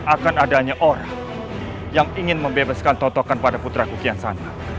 akan adanya orang yang ingin membebaskan totokan pada putra kukian sana